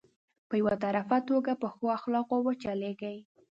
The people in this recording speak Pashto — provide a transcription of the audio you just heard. په يو طرفه توګه په ښو اخلاقو وچلېږي.